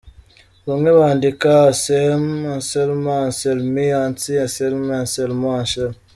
Bamwe bandika Ansehelm, Anselma, Anselmi, Anssi, Anselme , Anselmo , Anshel.